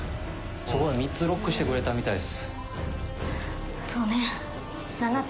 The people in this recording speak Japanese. すごい、３つロックしてくれたみたいです。